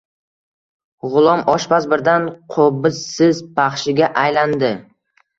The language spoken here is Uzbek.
G‘ulom oshpaz birdan qo‘bizsiz baxshiga aylandi: